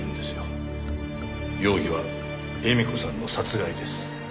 容疑は絵美子さんの殺害です。